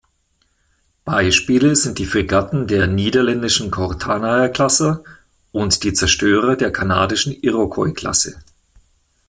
Beispiele sind die Fregatten der niederländischen Kortenaer-Klasse und die Zerstörer der kanadischen Iroquois-Klasse.